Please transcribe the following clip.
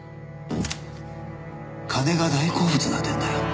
金が大好物な点だよ。